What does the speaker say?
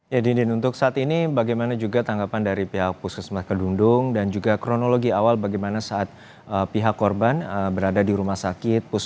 ya didin untuk saat ini bagaimana juga tanggapan dari pihak puskesmas kedundung dan juga kronologi awal bagaimana saat pihak korban berada di rumah sakit